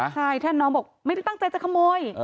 ใช่ถ้าน้องบอกไม่ได้ตั้งใจจะขโมย